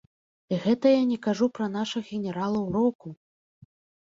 І гэта я не кажу пра нашых генералаў року!